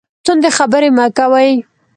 تندې خبرې مه کوئ